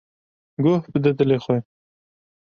Guh bide dilê xwe.